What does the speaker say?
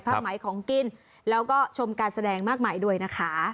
ไหมของกินแล้วก็ชมการแสดงมากมายด้วยนะคะ